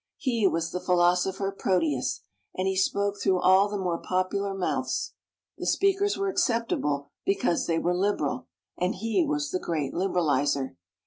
He was the philosopher Proteus, and he spoke through all the more popular mouths. The speakers were acceptable because they were liberal, and he was the great liberalizer.